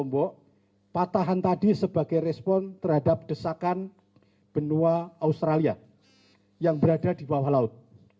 lombok patahan tadi sebagai respon terhadap desakan benua australia yang berada di bawah laut